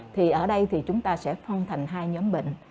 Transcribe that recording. thì ở đây thì chúng ta sẽ phong thành hai nhóm bệnh